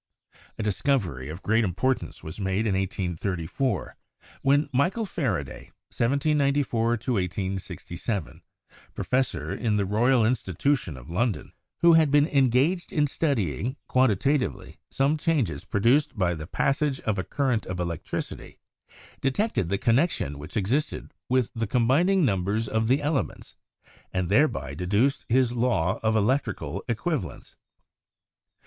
A discovery of great importance was made in 1834, when Michael Faraday (1794 1867), professor in the Royal Institution of London, who had been engaged in studying quantitatively some changes produced by the passage of a current of electricity, detected the connection which existed with the combining numbers of the elements, and thereby deduced his law of electrical equivalents.